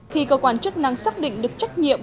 khi cơ quan chức năng xác định được trách nhiệm